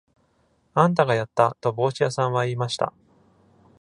「あんたがやった」と帽子屋さんは言いました。